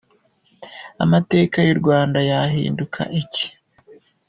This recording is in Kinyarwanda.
Amateka y’u Rwanda yahinduka iki ?